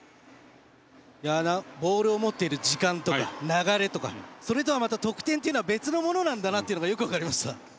ボールを持ってる時間とか流れとか、それとはまた得点は別のものなんだということがよく分かりました。